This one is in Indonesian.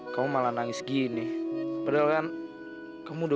aku juga gak mungkin bisa jadi kamu angel